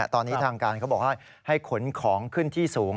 ตอนนี้ทางการเขาบอกให้ขนของขึ้นที่สูง